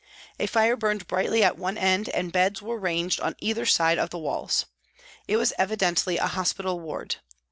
A fire burned brightly at one end and beds were ranged on either side of the walls. It was evidently a hospital ward.